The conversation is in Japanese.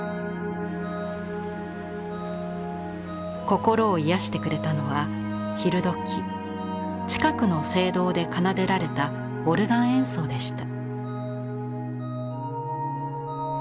心を癒やしてくれたのは昼どき近くの聖堂で奏でられたオルガン演奏でした。